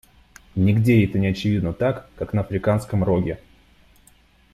Нигде это не очевидно так, как на Африканском Роге.